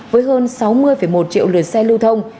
với hơn sáu mươi một triệu lượt xe lưu thông